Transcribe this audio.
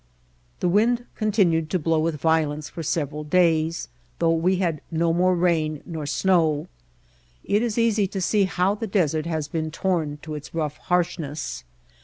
The wind continued to blow with violence for several days, though we had no more rain nor snow. It is easy to see how the desert has been torn to its rough harshness.